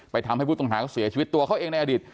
ทำให้ผู้ต้องหาเขาเสียชีวิตตัวเขาเองในอดีต